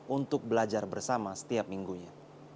untuk belajar bersama setiap minggunya